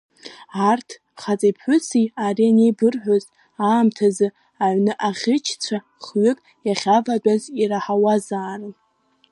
Арҭ хаҵеи ԥҳәыси ари анеибырҳәоз аамҭазы аҩны аӷьычцәа хҩык иахьаватәаз ираҳауазаарын.